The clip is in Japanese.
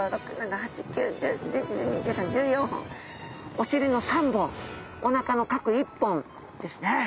お臀の３本おなかの各１本ですね。